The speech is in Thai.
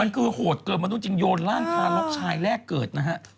มันคือโหดเกินมนุษย์จริงโยนร่างทารกชายแรกเกิดนะฮะ